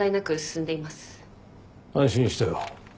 安心したよ。